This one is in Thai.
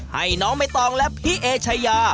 ให้น้องไม่ต้องและพี่เอเชยา